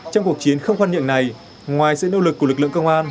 trong cuộc chiến không quan niệm này ngoài sự nỗ lực của lực lượng công an